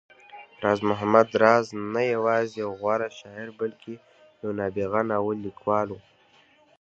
راز محمد راز نه يوازې يو غوره شاعر، بلکې يو نابغه ناول ليکوال و